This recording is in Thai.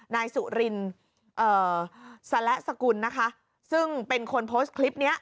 นายสุรินสละสกุลนะคะซึ่งเป็นคนโพสต์คลิปเนี้ย